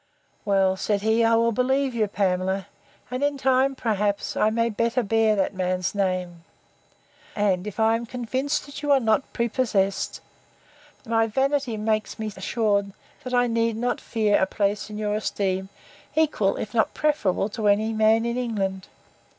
Well, said he, I will believe you, Pamela; and in time, perhaps, I may better bear that man's name. And, if I am convinced that you are not prepossessed, my vanity makes me assured, that I need not to fear a place in your esteem, equal, if not preferable, to any man in England.